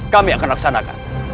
kami akan laksanakan